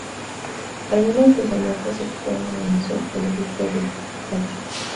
Algunos de sus hallazgos se exponen en el Museo Arqueológico de Calcis.